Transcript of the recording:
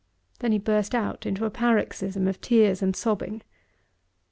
Then he burst out into a paroxysm of tears and sobbing.